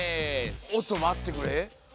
おっとまってくれ。